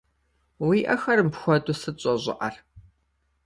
Уи ӏэхэр мыпхуэдэу сыт щӏэщӏыӏэр?